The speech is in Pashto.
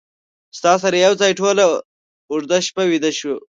ستا سره یو ځای ټوله اوږده شپه ویده شوی وم